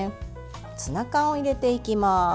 ツナ缶を入れていきます。